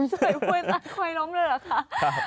สวยหัวใต้ควายล้มเลยเหรอคะ